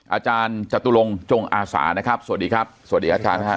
อาจารย์จตุลงจงอาสานะครับสวัสดีครับสวัสดีอาจารย์นะครับ